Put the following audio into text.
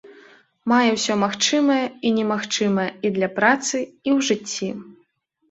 Мае ўсё магчымае і немагчымае і для працы, і ў жыцці.